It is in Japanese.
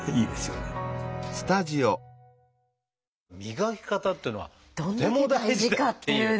磨き方というのはとても大事だっていう。